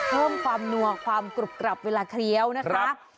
เพิ่มความนัวความกรุบกรับเวลาเคี้ยวนะคะ